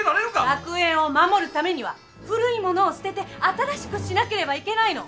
学園を守るためには古いものを捨てて新しくしなければいけないの！